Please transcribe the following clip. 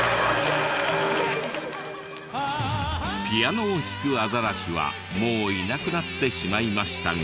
ピアノを弾くアザラシはもういなくなってしまいましたが。